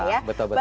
ya betul betul